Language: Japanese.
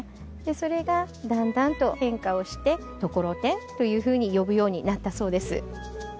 それがだんだんと変化をして「ところてん」というふうに呼ぶようになったそうです